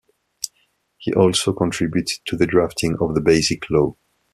He also contributed to the drafting of the Basic Law.